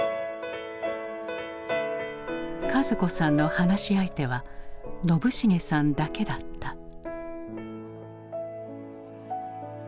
一子さんの話し相手は宣茂さんだけだった。